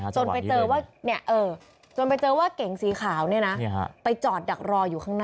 จนไปเจอว่าจนไปเจอว่าเก๋งสีขาวเนี่ยนะไปจอดดักรออยู่ข้างหน้า